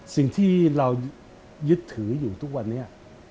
สิ่งที่เรายึดถืออยู่ทุกวันนี้